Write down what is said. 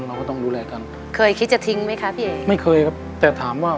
เราก็ต้องดูแลกันเคยคิดจะทิ้งไหมคะพี่เอ๋ไม่เคยครับแต่ถามว่า